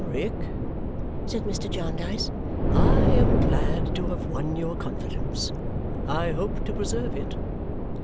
"Rick," said Mr. Jarndyce, "I am glad to have won your confidence. I hope to preserve it.